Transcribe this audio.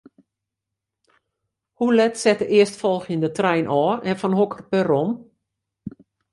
Hoe let set de earstfolgjende trein ôf en fan hokker perron?